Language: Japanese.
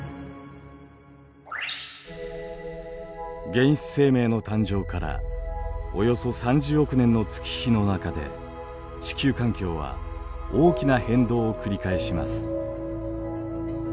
原始生命の誕生からおよそ３０億年の月日の中で地球環境は大きな変動を繰り返します。